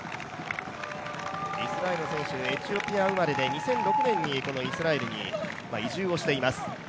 イスラエル選手、エチオピア生まれで２００６年にイスラエルに移住をしています。